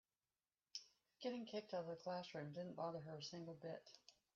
Getting kicked out of the classroom didn't bother her a single bit.